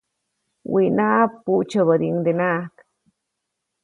Wiʼnaʼa, puʼtsyäbädiʼuŋdenaʼajk.